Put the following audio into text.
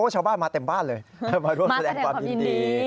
ชาวบ้านมาเต็มบ้านเลยมาร่วมแสดงความยินดี